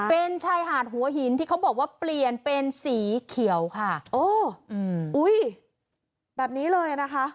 เป็นชายหาดหัวหินที่เขาบอกว่าเปลี่ยนเป็นสีเขียวค่ะโอ้อืมอุ้ยแบบนี้เลยนะคะ